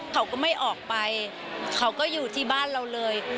เขาก็ไม่ออกไปเขาก็อยู่ที่บ้านเราเลย